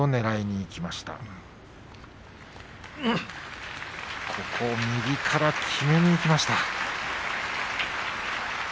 隠岐の海、ここを右からきめにいきました。